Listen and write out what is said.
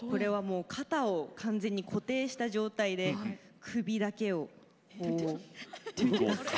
肩を完全に固定した状態で首だけを。